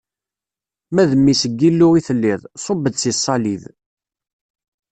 Ma d Mmi-s n Yillu i telliḍ, ṣubb-d si ṣṣalib.